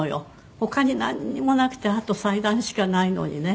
他になんにもなくてあと祭壇しかないのにね